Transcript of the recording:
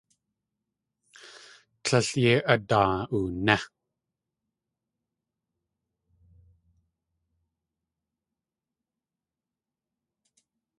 Tlél yéi adaa.uné.